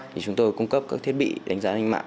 thì chúng tôi cung cấp các thiết bị đánh giá an ninh mạng